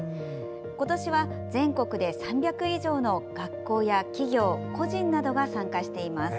今年は、全国で３００以上の学校や企業、個人などが参加しています。